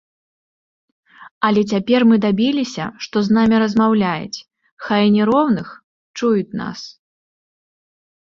Але цяпер мы дабіліся, што з намі размаўляюць, хай і не роўных, чуюць нас.